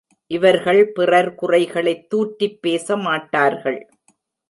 இவர்கள் பிறர் குறைகளைத் தூற்றிப் பேச மாட்டார்கள்.